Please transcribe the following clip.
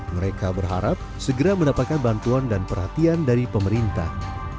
mereka berharap segera mendapatkan bantuan dan perhatian dari pemerintah